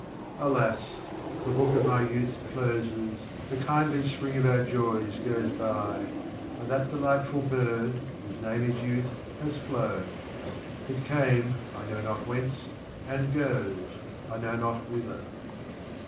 Alas ! the book of my youth closes, the kindly spring of our joys goes by, and that delightful bird, whose name is Youth, has flown. It came, I know not whence, and goes, I know not whither.